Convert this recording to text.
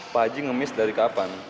pak haji ngemis dari kapan